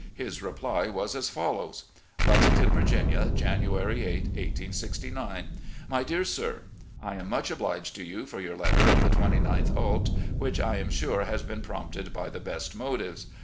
His reply was as follows: "Lexington, Virginia, January 8, 1869. " My Dear Sir: I am much obliged to you for your let ter of the 29th ult., which I am sure has been prompted by the best motives.